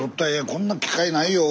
こんな機会ないよ。